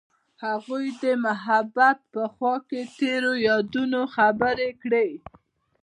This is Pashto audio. هغوی د محبت په خوا کې تیرو یادونو خبرې کړې.